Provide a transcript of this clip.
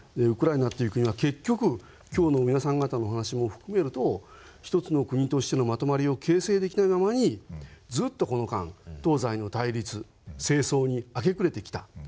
ウクライナという国は結局今日の皆さん方のお話も含めると一つの国としてのまとまりを形成できないままにずっとこの間東西の対立政争に明け暮れてきた。